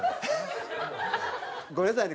ごめんなさいね。